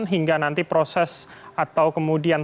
hingga nanti proses atau kemudian